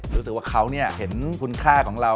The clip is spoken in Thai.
รู้สึกว่าเขาเห็นคุณค่าของเรา